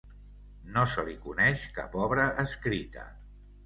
No se li coneix cap obra escrita.